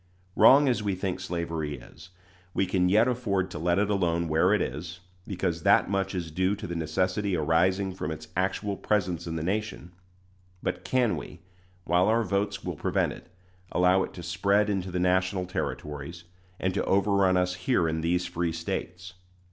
Wrong as we think slavery is, we can yet afford to let it alone where it is, because that much is due to the necessity arising from its actual presence in the nation; but can we, while our votes will prevent it, allow it to spread into the national Territories, and to overrun us here in these free States?